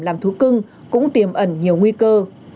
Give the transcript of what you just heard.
làm thú cưng cũng tiềm ẩn nhiều nguy cơ